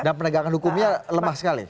dan penegakan hukumnya lemah sekali